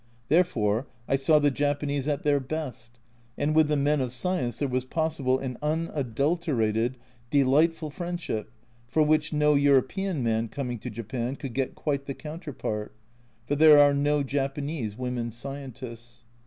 Therefore I saw the Japanese at their best, and with the men of science there was possible an unadulterated, delightful friendship for which no European man coming to Japan could get quite the counterpart ; for there are no Japanese women scientists.